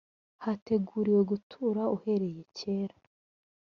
hateguriwe gutura uhereye kera